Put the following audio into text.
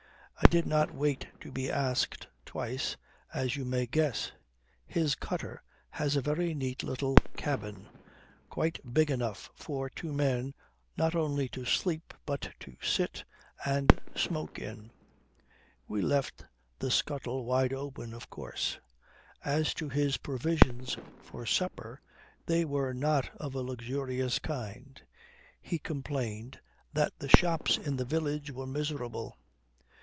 I did not wait to be asked twice, as you may guess. His cutter has a very neat little cabin, quite big enough for two men not only to sleep but to sit and smoke in. We left the scuttle wide open, of course. As to his provisions for supper, they were not of a luxurious kind. He complained that the shops in the village were miserable.